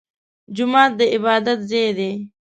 جومات د عبادت ځای دی